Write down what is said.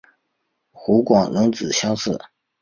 湖广戊子乡试。